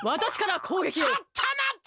ちょっとまった！